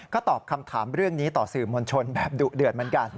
ก็ตอบคำถามเรื่องนี้ต่อสื่อมวลชนแบบดุเดือดเหมือนกัน